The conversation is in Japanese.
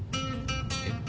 えっ？